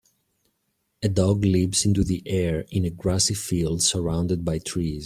A dog leaps into the air in a grassy field surrounded by trees.